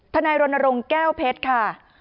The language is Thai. นายรณรงค์แก้วเพชรค่ะ